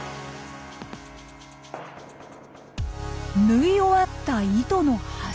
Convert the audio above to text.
ぬい終わった糸の端。